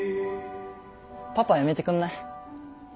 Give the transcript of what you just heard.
パパやめてくんない？